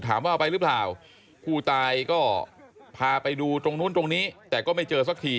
เอาไปหรือเปล่าผู้ตายก็พาไปดูตรงนู้นตรงนี้แต่ก็ไม่เจอสักที